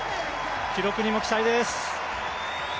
記録にも期待です。